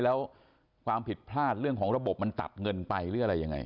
แล้วความผิดพลาดเรื่องของระบบมันตัดเงินไปหรืออะไรยังไง